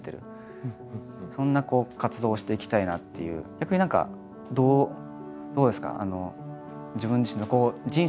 逆に何かどうですか？